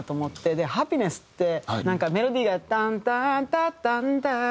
で『ハピネス』ってなんかメロディーが「タンターンタッタンター」っていう。